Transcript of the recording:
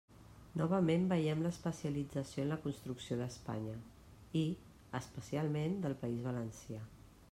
Novament veiem l'especialització en la construcció d'Espanya i, especialment, del País Valencià.